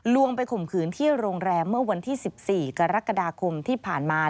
ไปข่มขืนที่โรงแรมเมื่อวันที่๑๔กรกฎาคมที่ผ่านมา